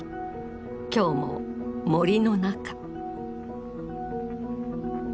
今日も森の中。